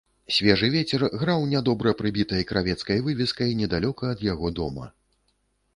Свежы вецер граў нядобра прыбітай кравецкай вывескай недалёка ад яго дома.